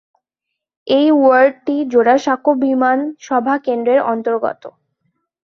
এই ওয়ার্ডটি জোড়াসাঁকো বিধানসভা কেন্দ্রের অন্তর্গত।